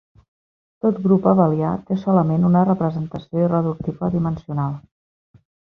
Tot grup abelià té solament una representació irreductible dimensional.